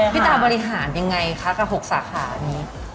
พี่ตาบริหารยังไงคะกับ๖สาขานี้